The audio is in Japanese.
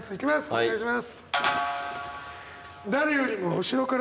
お願いします。